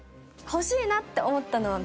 欲しいなって思ったのはＢ？